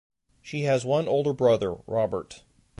She has one older brother, Robert.